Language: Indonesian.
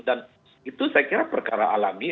dan itu saya kira perkara alami ya